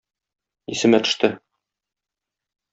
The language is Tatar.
Исемә төште.